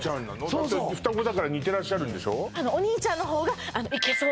だって双子だから似てらっしゃるんでしょ？